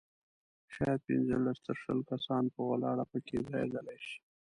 شاید پنځلس تر شل کسان په ولاړه په کې ځایېدلای شي.